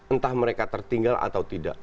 entah mereka tertinggal atau tidak